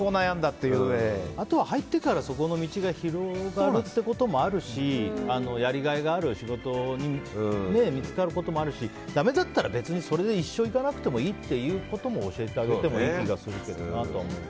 あとは入ってからそこの道が広がることもあるしやりがいがある仕事が見つかることもあるしだめだったら別にそれで一生いかなくてもいいっていうことも教えてあげてもいい気がするけど。